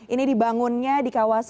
ini dibangunnya di kawasan